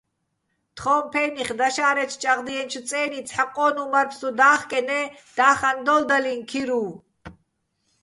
თხოჼ ფე́ნიხ დაშა́რეჩო̆ ჭაღდიენჩო̆ წე́ნი ცჰ̦ა ყო́ნუჼ მარფსტუ და́ხკენე́ და́ხაჼ დოლდალიჼ ქირუვ.